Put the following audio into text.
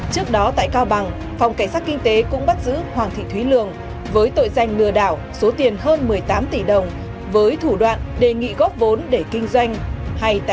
trước đó tại cao bằng phòng cảnh sát kinh tế cũng bắt giữ hoàng thị thúy lường với tội danh lừa đảo số tiền hơn một mươi tám tỷ đồng với thủ đoạn đề nghị góp vốn để kinh doanh